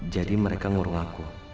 jadi mereka ngurung aku